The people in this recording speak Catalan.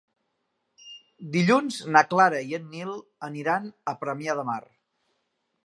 Dilluns na Clara i en Nil aniran a Premià de Mar.